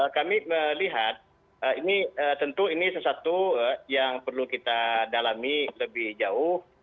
kami melihat ini tentu ini sesuatu yang perlu kita dalami lebih jauh